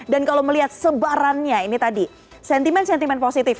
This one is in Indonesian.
dan kalau melihat sebarannya ini tadi sentimen sentimen positif ya